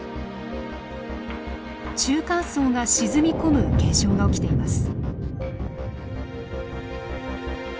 中間層が沈み込む現象が起きています。